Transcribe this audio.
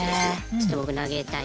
ちょっと僕投げたい。